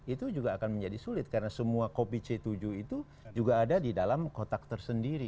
itu juga akan menjadi sulit karena semua kopi c tujuh itu juga ada di dalam kotak tersendiri